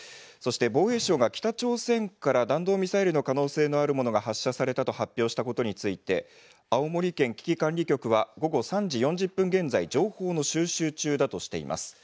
そして防衛省が北朝鮮から弾道ミサイルの可能性のあるものが発射されたと発表したことについて青森県危機管理局は午後３時４０分現在、情報の収集中だとしています。